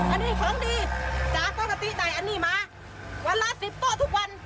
อันนี้ของดีจากปกติได้อันนี้มาวันละ๑๐โต๊ะทุกวัน